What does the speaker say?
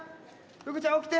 ふくちゃん起きて。